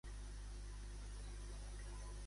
Va presidir la Societat Espanyola d'Astronomia?